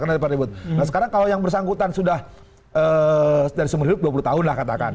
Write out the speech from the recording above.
nah sekarang kalau yang bersangkutan sudah dari seumur hidup dua puluh tahun lah katakan